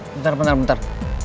bentar bentar bentar